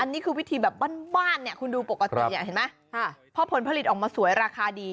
อันนี้คือวิธีแบบบ้านคุณดูปกติเพราะผลผลิตออกมาสวยราคาดี